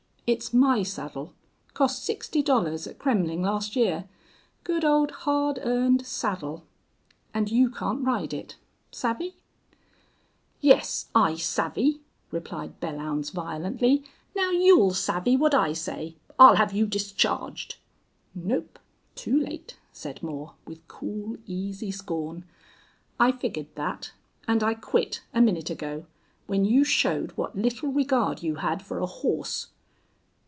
It's my saddle. Cost sixty dollars at Kremmling last year. Good old hard earned saddle!... And you can't ride it. Savvy?" "Yes, I savvy," replied Belllounds, violently. "Now you'll savvy what I say. I'll have you discharged." "Nope. Too late," said Moore, with cool, easy scorn. "I figured that. And I quit a minute ago when you showed what little regard you had for a horse."